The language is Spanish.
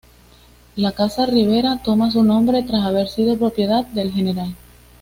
La Casa Rivera, toma su nombre tras haber sido propiedad del Gral.